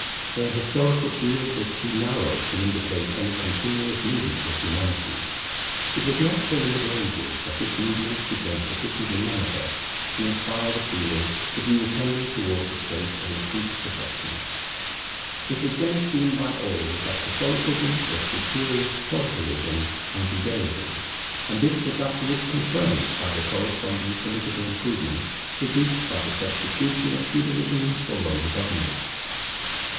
Their historical field was too narrow to indicate any continuous movement of Humanity. It was not till the Middle Ages that this movement became sufficiently manifest to inspire the feeling that we were tending towards a state of increased perfection. It was then seen by all that Catholicism was superior to Polytheism and Judaism; and this was afterwards confirmed by the corresponding political improvement produced by the substitution of Feudalism for Roman government.